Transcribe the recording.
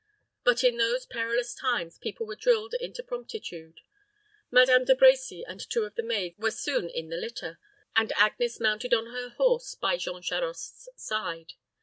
But in those perilous times people were drilled into promptitude. Madame De Brecy and two of the maids wee soon in the litter, and Agnes mounted on her horse by Jean Charost's side.